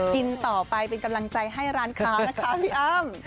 กินต่อไปเป็นกำลังใจให้ร้านค้านะคะพี่อ้ำ